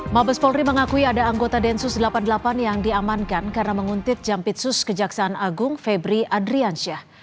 mabes polri mengakui ada anggota densus delapan puluh delapan yang diamankan karena menguntit jampitsus kejaksaan agung febri adriansyah